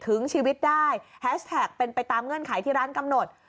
ถึงชีวิตได้แฮชแท็กเป็นไปตามเงื่อนไขที่ร้านกำหนด